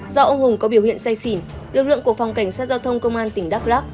do ông hùng có biểu hiện say xỉn lực lượng của phòng cảnh sát giao thông công an tỉnh đắk lắc